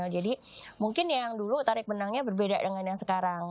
jadi mungkin yang dulu tarik benangnya berbeda dengan yang sekarang